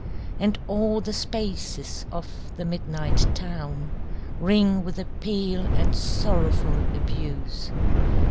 And all the spaces of the midnight town Ring with appeal and sorrowful abuse.